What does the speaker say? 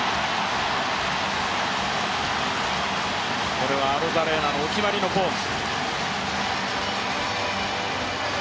これはアロザレーナのお決まりのポーズ。